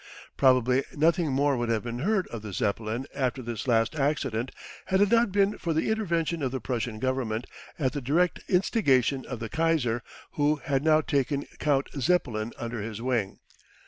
Probably nothing more would have been heard of the Zeppelin after this last accident had it not been for the intervention of the Prussian Government at the direct instigation of the Kaiser, who had now taken Count Zeppelin under his wing.